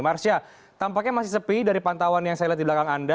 marsya tampaknya masih sepi dari pantauan yang saya lihat di belakang anda